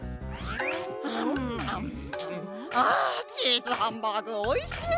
あチーズハンバーグおいしい！